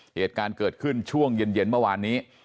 เหตุการณ์เกิดขึ้นช่วงเย็นเมื่อวานนี้